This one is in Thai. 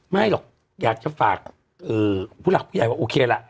ไม่หรอกอยากจะฝากผู้หลักผู้ใหญ่ว่าโอเคละ